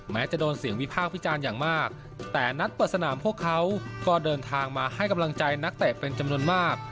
จะโดนเสียงวิพากษ์วิจารณ์อย่างมากแต่นัดเปิดสนามพวกเขาก็เดินทางมาให้กำลังใจนักเตะเป็นจำนวนมาก